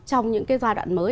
trong những giai đoạn mới